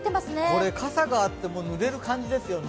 これ、傘があってもぬれる感じですよね。